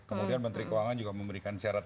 kemudian menteri keuangan juga memberikan syarat